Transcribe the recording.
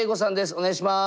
お願いします。